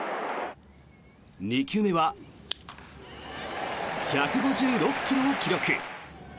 ２球目は１５６ｋｍを記録。